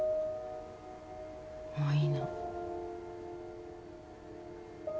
もういいの。